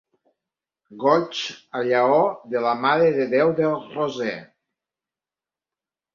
Goigs a llaor de la Mare de Déu del Roser.